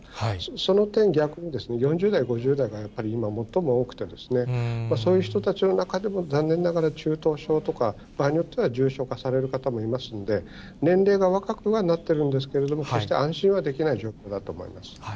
その点、逆に４０代、５０代がやっぱり今、最も多くて、そういう人たちの中でも残念ながら中等症とか、場合によっては重症化される方もいますので、年齢が若くはなってるんですけれども、決して安心はできない状況だと思います。